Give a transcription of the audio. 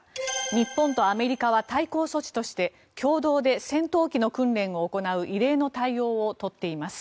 日本とアメリカは対抗措置として共同で戦闘機の訓練を行う異例の対応を取っています。